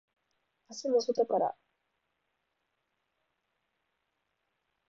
足も外から小外掛けをかけてきました。